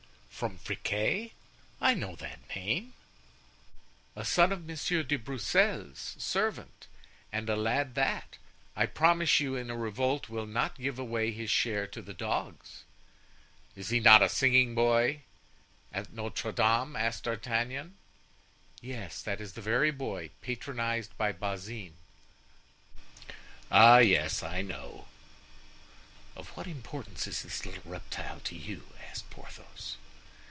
"From Friquet? I know that name——" "A son of Monsieur de Broussel's servant, and a lad that, I promise you, in a revolt will not give away his share to the dogs." "Is he not a singing boy at Notre Dame?" asked D'Artagnan. "Yes, that is the very boy; he's patronized by Bazin." "Ah, yes, I know." "Of what importance is this little reptile to you?" asked Porthos.